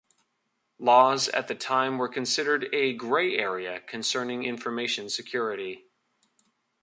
Laws at the time were considered a "gray area" concerning information security.